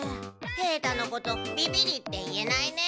平太のことビビリって言えないね。